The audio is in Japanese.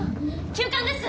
急患です！